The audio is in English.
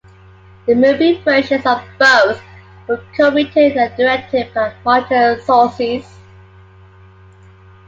The movie versions of both were co-written and directed by Martin Scorsese.